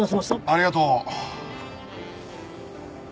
ありがとう。